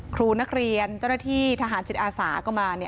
ครูนักเรียนเจ้าหน้าที่ทหารจิตอาสาก็มา